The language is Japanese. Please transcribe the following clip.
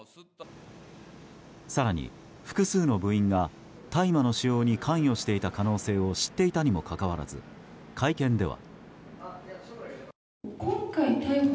更に、複数の部員が大麻の使用に関与していた可能性を知っていたにもかかわらず会見では。